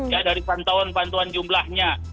ya dari pantauan bantuan jumlahnya